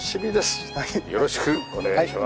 よろしくお願いします。